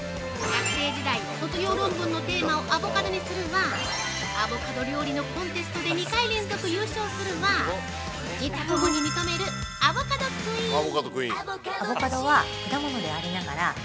学生時代卒業論文のテーマをアボカドにするわアボカド料理のコンテストで２回連続優勝するわ自他ともに認めるアボカドクイーン！